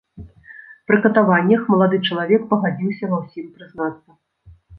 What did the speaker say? Пры катаваннях малады чалавек пагадзіўся ва ўсім прызнацца.